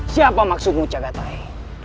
siapa maksudmu cagatai